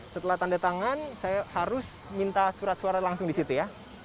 setelah tanda tangan saya harus minta surat suara langsung di situ ya